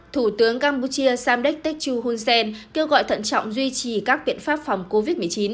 thủ tướng campuchia samdek techo hunsen kêu gọi thận trọng duy trì các biện pháp phòng covid một mươi chín